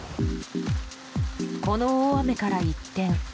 この大雨から一転。